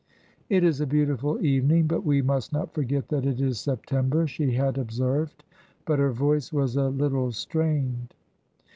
"It is a beautiful evening, but we must not forget that it is September," she had observed. But her voice was a little strained.